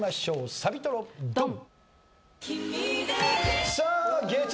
サビトロドン！